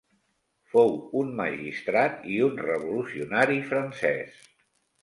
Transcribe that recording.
Fou un magistrat i un revolucionari francès.